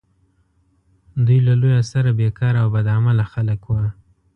دوی له لویه سره بیکاره او بد عمله خلک وه.